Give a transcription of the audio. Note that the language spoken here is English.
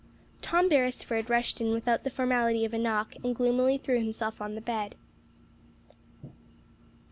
Tom Beresford rushed in without the formality of a knock, and gloomily threw himself on the bed.